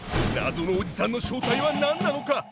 謎のおじさんの正体は何なのか！？